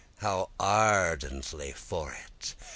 How ardently for it!